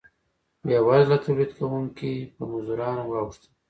بیوزله تولید کوونکي په مزدورانو واوښتل.